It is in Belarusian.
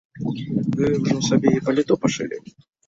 Вы ўжо сабе і паліто пашылі.